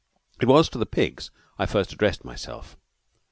It was to the pigs I first addressed myself.